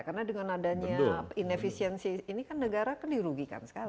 karena dengan adanya inefisiensi ini kan negara kan dirugikan sekali